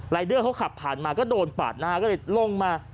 เดอร์เขาขับผ่านมาก็โดนปาดหน้าก็เลยลงมา